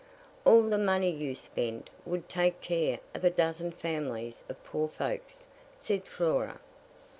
"All the money you spend would take care of a dozen families of poor folks," said Flora.